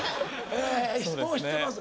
もう知ってます。